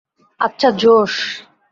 আচ্ছা, জোশ।